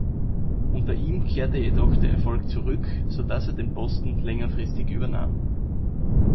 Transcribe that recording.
Unter ihm kehrte jedoch der Erfolg zurück, so dass er den Posten längerfristig übernahm.